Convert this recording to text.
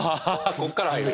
こっから入る？